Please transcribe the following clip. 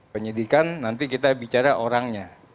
penyidikan nanti kita bicara orangnya